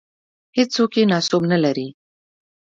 هېڅوک یې ناسوب نه لري.